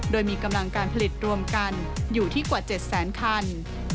โดยมีกำลังการผลิตรวมกันอยู่ที่กว่า๗แสนคัน